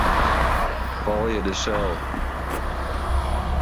Folje de sel.